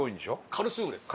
カルシウムです。